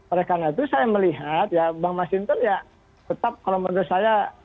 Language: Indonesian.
oleh karena itu saya melihat ya bang mas hinton ya tetap kalau menurut saya